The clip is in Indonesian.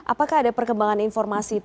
apakah ada perkembangan informasi